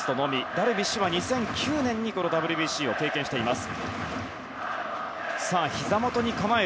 ダルビッシュは２００９年にこのＷＢＣを経験しています。